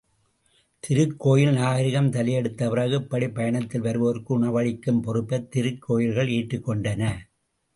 திருக்கோயில் நாகரிகம் தலையெடுத்த பிறகு இப்படிப் பயணத்தில் வருவோருக்கு உணவளிக்கும் பொறுப்பைத் திருக்கோயில்கள் ஏற்றுக்கொண்டன.